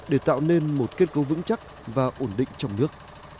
để tạo nên một kết cấu vững chắc và ổn định trong nước